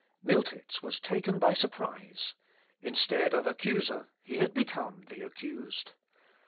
Miltitz was taken by surprise. Instead of accuser he had become the accused.